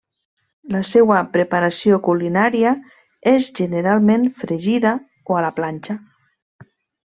La seua preparació culinària és generalment fregida o a la planxa.